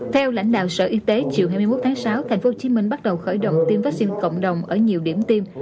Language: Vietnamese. theo lãnh đạo sở y tế chiều hai mươi một tháng sáu tp hcm bắt đầu khởi động tiêm vaccine cộng đồng ở nhiều điểm tiêm